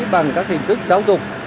bằng các hình thức giáo dục